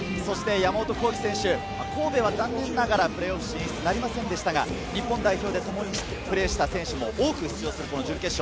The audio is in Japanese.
山本浩輝選手、神戸は残念ながらプレーオフ進出はなりませんでしたが、日本代表でともにプレーした選手も多く出場する準決勝。